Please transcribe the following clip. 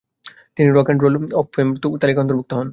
তিনি rock and roll hall of fame তালিকায় অন্তর্ভুক্ত হন।